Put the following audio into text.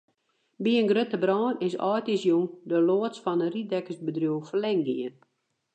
By in grutte brân is âldjiersjûn de loads fan in reidtekkersbedriuw ferlern gien.